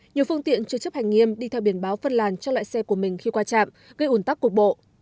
nhiều phương tiện chưa chấp hành nghiêm đi theo biển báo phân làn cho loại xe của mình khi qua trạm gây ủn tắc cục bộ